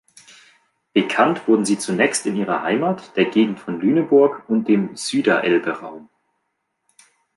Bekannt wurden sie zunächst in ihrer Heimat, der Gegend von Lüneburg und dem Süderelbe-Raum.